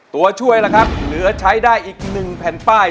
ตัวช่วยล่ะครับเหลือใช้ได้อีก๑แผ่นป้าย